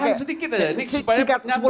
saya mau langsung kasih ke om